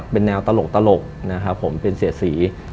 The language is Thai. เป็นแนวตลกเป็นเสียดสี